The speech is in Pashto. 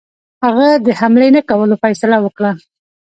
هغه د حملې نه کولو فیصله وکړه.